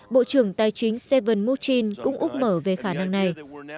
bộ trưởng tài chính stephen mnuchin cũng úp mở về khả năng này